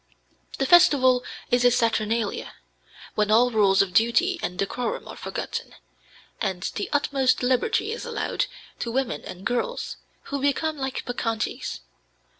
The festival is a saturnalia, when all rules of duty and decorum are forgotten, and the utmost liberty is allowed to women and girls, who become like bacchantes.